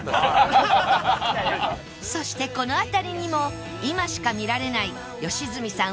そしてこの辺りにも今しか見られない良純さん